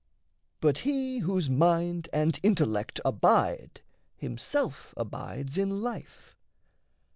But he whose mind and intellect abide Himself abides in life.